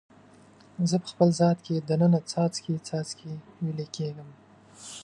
زه په خپل ذات کې د ننه څاڅکي، څاڅکي ویلي کیږم